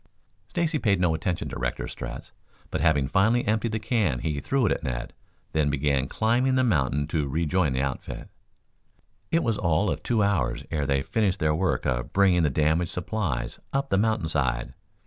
Stacy paid no attention to Rector's threats, but having finally emptied the can, he threw it at Ned, then began climbing the mountain to rejoin the outfit. It was all of two hours ere they finished their work of bringing the damaged supplies up the mountain side.